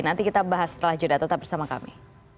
nanti kita bahas setelah jeda tetap bersama kami